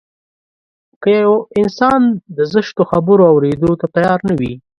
که يو انسان د زشتو خبرو اورېدو ته تيار نه وي.